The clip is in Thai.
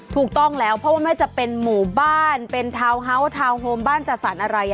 ถูกต้องแล้วเพราะว่าไม่จะเป็นหมู่บ้านเป็นทาวน์เฮาส์ทาวน์โฮมบ้านจัดสรรอะไร